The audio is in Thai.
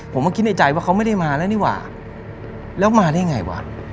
มาคิดในใจว่าเขาไม่ได้มาแล้วนี่หว่าแล้วมาได้ไงวะ